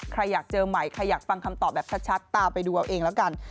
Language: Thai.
ใครอยากเจอใหม่ใครอยากฟังคำตอบแบบชัดตามไปดูเอาเองแล้วกัน